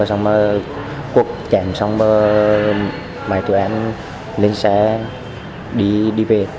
xong rồi quốc chạy xong rồi mời tụi em lên xe đi về